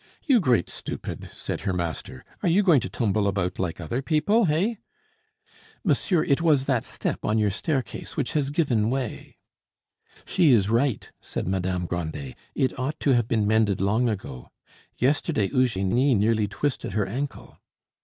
"You great stupid!" said her master; "are you going to tumble about like other people, hey?" "Monsieur, it was that step on your staircase which has given way." "She is right," said Madame Grandet; "it ought to have been mended long ago. Yesterday Eugenie nearly twisted her ankle."